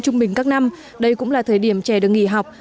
trung bình các năm đây cũng là thời điểm trẻ được nghỉ học